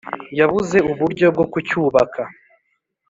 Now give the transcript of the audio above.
yabuze uburyo bwo kucyubaka